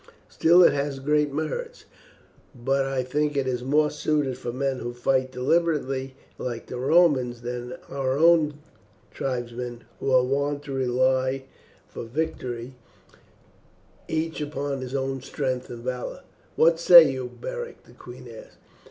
Still it has great merits; but I think it more suited for men who fight deliberately, like the Romans, than for our own tribesmen, who are wont to rely for victory each upon his own strength and valour." "What say you, Beric?" the queen asked.